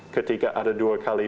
ketika ada dua kali